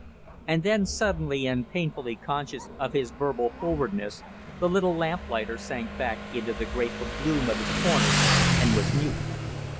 And then suddenly and painfully conscious of his verbal forwardness, the little lamplighter sank back into the grateful gloom of his corner and was mute.